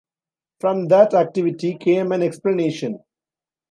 From that activity came an explanation.